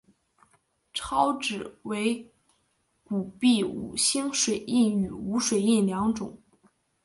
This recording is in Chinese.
钞纸为古币五星水印与无水印两种。